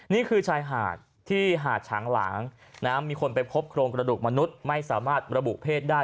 นี่คือชายหาดที่หาดฉางหลางมีคนไปพบโครงกระดูกมนุษย์ไม่สามารถระบุเพศได้